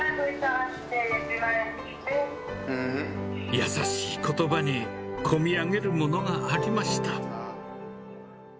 優しいことばに、こみ上げるものがありました。